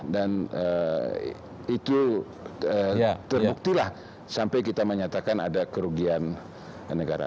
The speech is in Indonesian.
dan itu terbuktilah sampai kita menyatakan ada kerugian negara